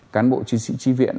cán bộ chiến sĩ tri viện